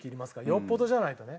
よっぽどじゃないとね。